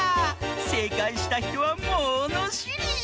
せいかいしたひとはものしり！